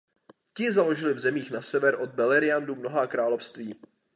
Ti založili v zemích na sever od Beleriandu mnohá království.